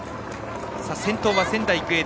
先頭は仙台育英。